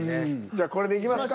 じゃあこれでいきますか。